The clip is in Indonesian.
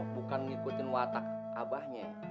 bukan ngikutin watak abahnya